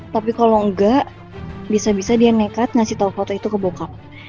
tapi kalau enggak bisa bisa dia nekat ngasih tau foto itu ke bokap